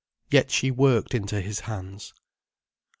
Yet she worked into his hands.